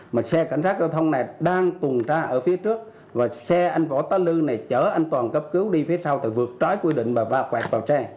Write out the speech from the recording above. mà xe cảnh sát giao thông này đang tuần tra ở phía trước và xe anh võ tấn lư này chở anh toàn cấp cứu đi phía sau vượt trái quy định và va quẹt vào xe